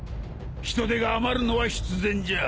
人手が余るのは必然じゃ。